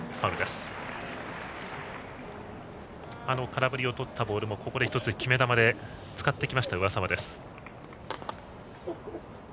空振りを取ったボールもここで１つ決め球で使ってきました、上沢です。